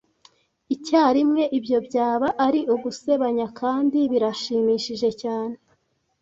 icyarimwe. Ibyo byaba ari ugusebanya, kandi birashimishije cyane